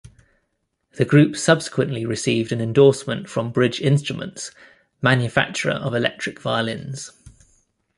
The group subsequently received an endorsement from Bridge Instruments, manufacturer of electric violins.